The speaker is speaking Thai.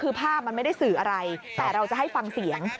คือภาพมันไม่ได้สื่ออะไรแต่เราจะให้ฟังเสียง